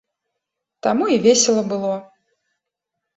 Таму і весела было.